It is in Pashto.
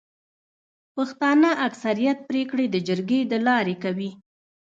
پښتانه اکثريت پريکړي د جرګي د لاري کوي.